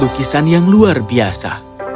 lukisan yang luar biasa